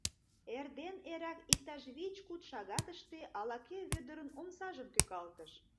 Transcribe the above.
Эрден эрак, иктаж вич-куд шагатыште, ала-кӧ Вӧдырын омсажым тӱкалтыш.